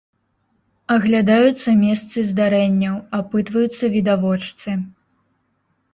Аглядаюцца месцы здарэнняў, апытваюцца відавочцы.